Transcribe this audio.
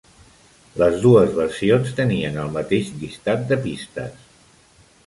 Les dues versions tenien el mateix llistat de pistes.